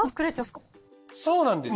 そうなんですよ。